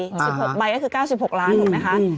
ซึ่ง๑๖ใบก็คือ๙๖ล้านถูกไหมคะ